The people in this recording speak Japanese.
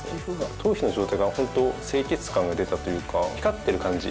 頭皮の状態がホント清潔感が出たというか光ってる感じ。